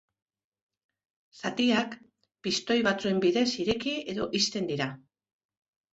Zatiak, pistoi batzuen bidez ireki edo ixten dira.